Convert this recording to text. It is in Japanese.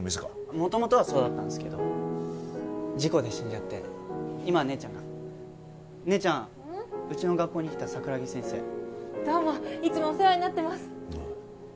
元々はそうだったんすけど事故で死んじゃって今は姉ちゃんが姉ちゃんうちの学校に来た桜木先生どうもいつもお世話になってますああ